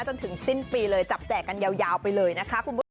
จนถึงสิ้นปีเลยจับแตกกันยาวไปเลยนะคะ